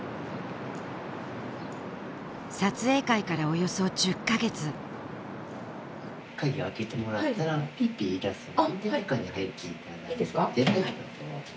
撮影会からおよそ１０カ月カギ開けてもらったらピッて言い出すので中に入っていただいていいですか？